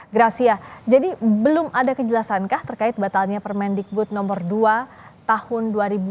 gracia jadi belum ada kejelasankah terkait batalnya permendikbud nomor dua tahun dua ribu dua puluh